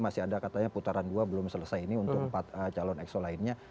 masih ada katanya putaran dua belum selesai ini untuk empat calon exo lainnya